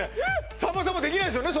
さんまさんもできないですよね